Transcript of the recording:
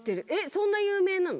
そんな有名なの？